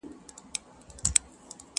هر يوه يې افسانې بيانولې!.